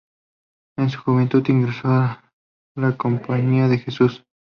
En su juventud ingresó en la Compañía de Jesús.